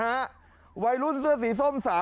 คุณผู้ชมครับไอ้หนุ่มพวกนี้มันนอนปาดรถพยาบาลครับ